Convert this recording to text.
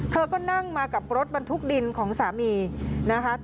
เธอก็นั่งมากับรถบรรทุกดินของสามีนะคะ